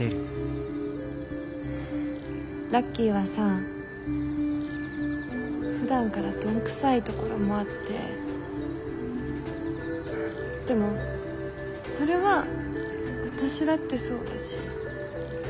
ラッキーはさふだんから鈍くさいところもあってでもそれは私だってそうだし。